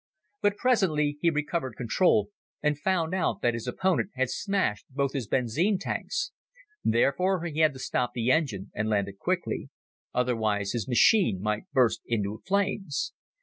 But presently he recovered control and found out that his opponent had smashed both his benzine tanks. Therefore, he had to stop the engine and land quickly. Otherwise, his machine might burst into flames.